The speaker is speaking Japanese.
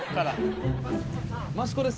益子です。